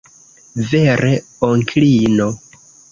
Vere, onklino.